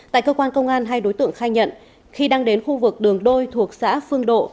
tại cơ quan công an hai đối tượng khai nhận khi đang đến khu vực đường đôi thuộc xã phương độ